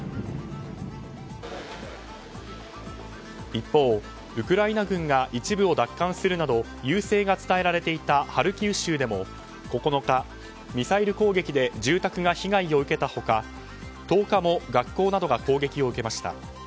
一方、ウクライナ軍が一部を奪還するなど優勢が伝えられていたハルキウ州でも９日、ミサイル攻撃で住宅が被害を受けた他１０日も学校などが攻撃を受けました。